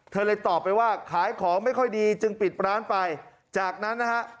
เลยตอบไปว่าขายของไม่ค่อยดีจึงปิดร้านไปจากนั้นนะฮะ